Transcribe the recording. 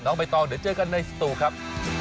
เดี๋ยวออกไปต่อเดี๋ยวเจอกันในสตูครับ